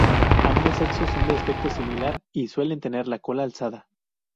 Ambos sexos son de aspecto similar, y suelen tener la cola alzada.